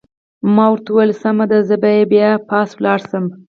ما ورته وویل: سمه ده، زه به بیا پاس ولاړ شم.